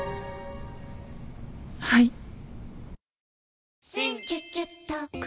はい。